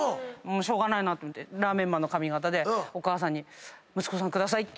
しょうがないなと思ってラーメンマンの髪形でお義母さんに。